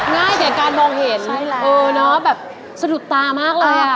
ง่ายแก่การมองเห็นเออเนอะแบบสะดุดตามากเลยอ่ะ